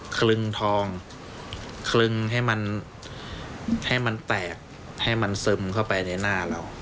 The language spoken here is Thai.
คลึงทองคลึงให้มันให้มันแตกให้มันซึมเข้าไปในหน้าเรา